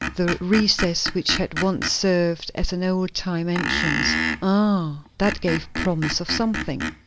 The recess which had once served as an old time entrance. Ah, that gave promise of something.